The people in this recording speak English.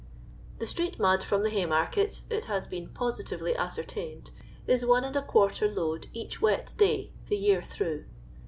The street mud firom the Haymarket, it has been positively ascertained, is 1 ^ load each wet day the year through.